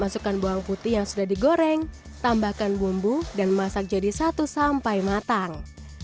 masukkan bawang putih yang sudah digoreng tambahkan bumbu dan masak jadi satu sampai matang